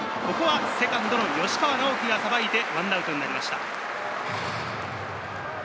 セカンド・吉川尚輝がさばいて１アウトになりました。